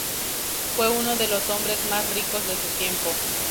Fue uno de los hombres más ricos de su tiempo.